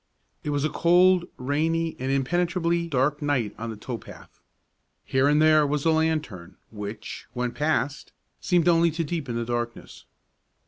It was a cold, rainy, and impenetrably dark night on the tow path. Here and there was a lantern, which, when passed, seemed only to deepen the darkness.